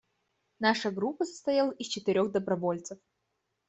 Наша группа состояла из четырех добровольцев.